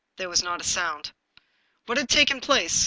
There was not a sound. What had taken place?